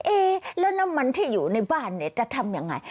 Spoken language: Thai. เอ๊ะแล้วน้ำมันที่อยู่ในบ้านเนี่ยจะทำยังไง